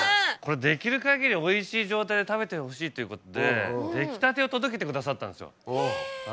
できる限りおいしい状態で食べてほしいということで出来たてを届けてくださったんですよ。